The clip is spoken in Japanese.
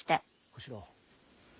小四郎。